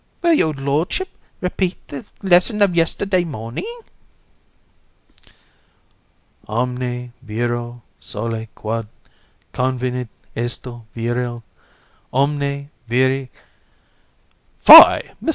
BOB. Will your lordship repeat your lesson of yesterday morning? COUN. Omne viro soli quod convenit esto virile, Omne viri.... COUN.